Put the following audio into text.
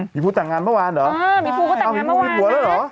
หมีภูก็ต่างงานเมื่อวานเหรออ้าวหมีภูก็ต่างงานเมื่อวานนะ